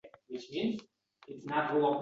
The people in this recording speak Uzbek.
Men ham uzr deb, savolga tutdim.